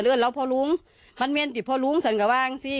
เรองากตรงนี้ถูกหวัดหลังสำเร็จ